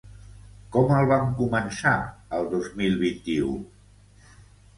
Com el vam començar, el dos mil vint-i-u?